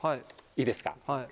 いいですか？